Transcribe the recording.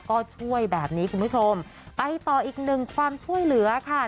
ก็ช่วยแบบนี้คุณผู้ชมไปต่ออีกหนึ่งความช่วยเหลือค่ะ